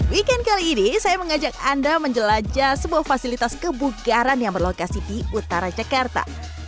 weekend kali ini saya mengajak anda menjelajah sebuah fasilitas kebugaran yang berlokasi di utara jakarta